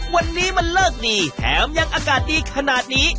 วันนี้มันเลิกดีแถมยังอากาศดีขนาดนี้